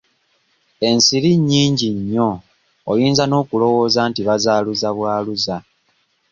Ensiri nnyingi nnyo oyinza n'okulooza nti bazaaluza bwaluza.